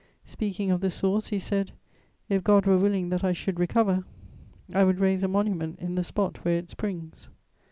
Speaking of the source, he said: "If God were willing that I should recover, I would raise a monument in the spot where it springs."